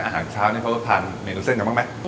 อาหารเช้านี้เพราะว่าทานเมนูเส้นกันบ้างไหม